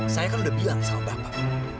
saya kan udah bilang sama bapak